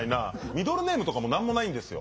ミドルネームとかも何もないんですよ。